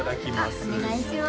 あっお願いします